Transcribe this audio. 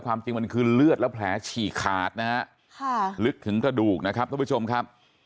ความจริงมันคือเลือดแล้วแผลฉี่ขาดนะฮะลึกถึงกระดูกนะครับท่านผู้ชมครับ